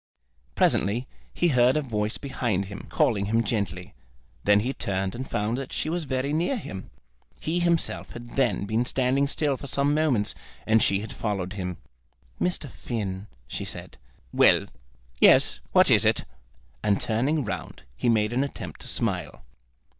Presently he heard a voice behind him, calling him gently. Then he turned and found that she was very near him. He himself had then been standing still for some moments, and she had followed him. "Mr. Finn," she said. "Well; yes: what is it?" And turning round he made an attempt to smile.